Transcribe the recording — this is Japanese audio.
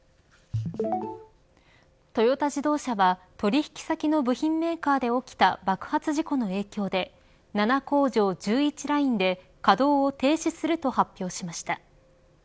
トヨタ自動車は取引先の部品メーカーで起きた爆発事故の影響で７工場１１ラインで稼働を停止すると発表しました。